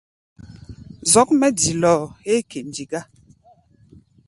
Zɔ́k mɛ́ dilɔɔ héé kɛndi gá.